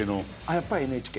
やっぱりＮＨＫ。